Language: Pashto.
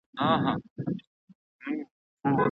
لوی منزلونه یوازي په اسانه لیاقت سره نه سي ګټل کېدلای.